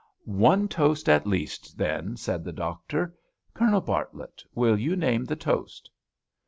"One toast, at least, then," said the doctor. "Colonel Bartlett, will you name the toast?"